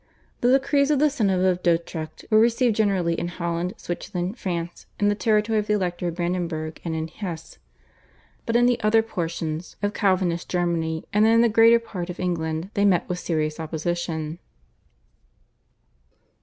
The decrees of the Synod of Dordrecht were received generally in Holland, Switzerland, France, in the territory of the Elector of Brandenburg, and in Hesse, but in the other portions of Calvinist Germany and in the greater part of England they met with serious opposition.